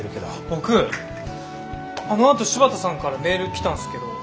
僕あのあと柴田さんからメール来たんすけど。